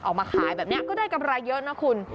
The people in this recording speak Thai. ออกมาขายแบบนี้ก็ได้กำไรเยอะนะคุณ